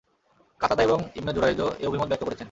কাতাদা এবং ইবন জুরায়জও এ অভিমত ব্যক্ত করেছেন।